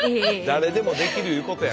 誰でもできるいうことや。